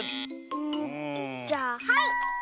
うんじゃあはい！